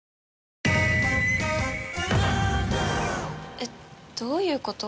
えっどういうこと？